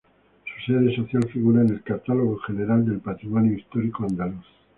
Su sede social figura en el Catálogo General del Patrimonio Histórico Andaluz.